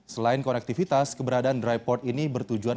selain konektivitas keberadaan dry port ini bertujuan